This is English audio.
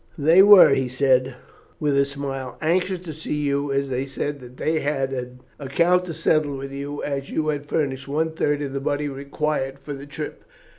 "They were," he said, with a smile, "anxious to see you, as they said that they had an account to settle with you, as you had furnished one third of the money required for the trip.